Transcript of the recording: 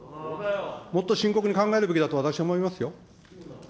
もっと深刻に考えるべきだと、私思いますよ。